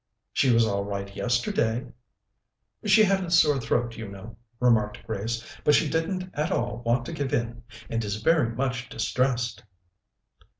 "She was all right yesterday." "She had a sore throat, you know," remarked Grace, "but she didn't at all want to give in, and is very much distressed."